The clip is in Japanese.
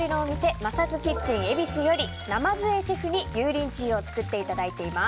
マサズキッチン恵比寿より鯰江シェフに油淋鶏を作っていただいています。